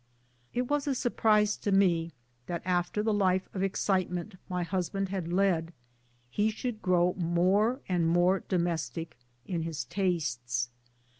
It was a surprise to me that after the life of excite ment my husband had led, he should grow more and more domestic in his tastes.